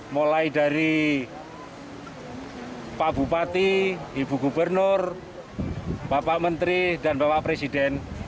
mulai dari pak bupati ibu gubernur bapak menteri dan bapak presiden